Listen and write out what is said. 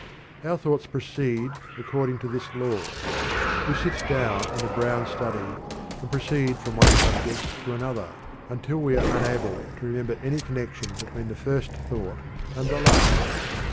Our thoughts proceed according to this law. We sit down in a "brown study" and proceed from one subject to another, until we are unable to remember any connection between the first thought and the last.